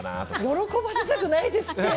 喜ばせたくないですって！